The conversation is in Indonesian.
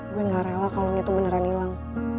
gue gak rela kalung itu beneran hilang